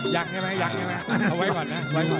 ยังไม่อย่าไปก่อนนะ